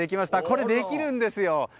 これ、できるんですよ。